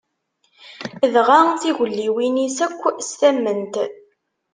Dɣa tigelliwin-is akk s tamment.